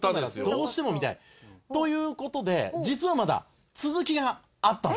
どうしても見たいという事で実はまだ続きがあったんです。